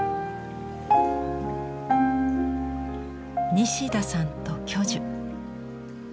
西田さんと巨樹。